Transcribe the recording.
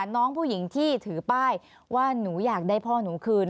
น้องผู้หญิงที่ถือป้ายว่าหนูอยากได้พ่อหนูคืน